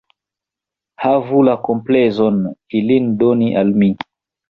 Havu la komplezon, ilin doni al mi.